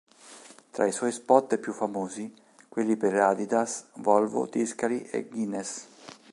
Tra i suoi spot più famosi, quelli per Adidas, Volvo, Tiscali e Guinness.